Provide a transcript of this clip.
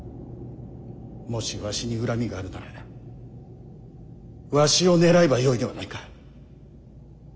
もしわしに恨みがあるならわしを狙えばよいではないか。